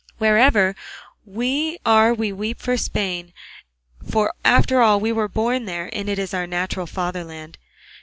Wherever we are we weep for Spain; for after all we were born there and it is our natural fatherland.